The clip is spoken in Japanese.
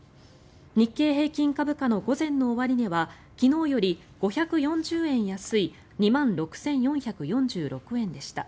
日経平均株価の午前の終値は昨日より５４０円安い２万６４４６円でした。